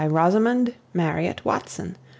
Rosamund Marriott Watson b.